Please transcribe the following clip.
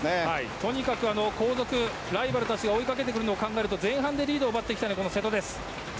とにかく後続のライバルたちが追いかけてくることを考えると前半でリードを奪っていきたい瀬戸です。